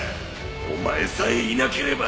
お前さえいなければ！